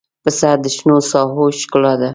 پسه د شنو ساحو ښکلا ده.